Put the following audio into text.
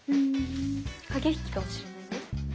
駆け引きかもしれないよ。